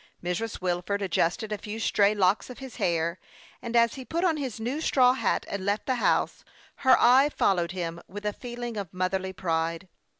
Mrs. Wilford adjusted a few stray locks of his hair, anrl as he put on his new straw hat, and left the house, her eye followed him with a feeling of motherly pride.